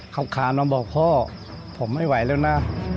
เขาค้านมาบอกพ่อผมไม่ไหวแล้วนะ